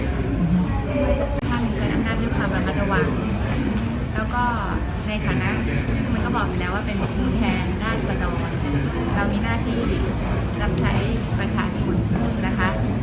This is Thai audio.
ท่านเชิญอำนาจมีความลำบัดระหว่างแล้วก็ในฐานะคือมันก็บอกอยู่แล้วว่าเป็นแทนนาศนลเรามีหน้าที่รับใช้ประชาชกุลศึกษ์นะคะ